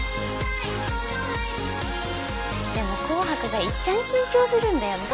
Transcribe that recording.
でも「紅白」がいっちゃん緊張するんだよね。